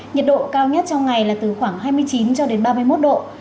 nhiệt độ cao nhất trong ngày là từ khoảng hai mươi độ c